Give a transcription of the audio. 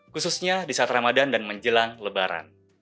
khususnya di saat ramadan dan menjelang lebaran